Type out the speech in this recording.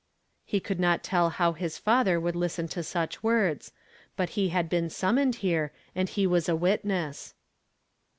He could not tell how his father would listen to such words ; but he had been sum moned here, and he was a witness.